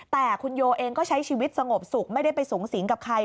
แต่คุณโยเองก็ใช้ชีวิตสงบสุขไม่ได้ไปสูงสิงกับใคร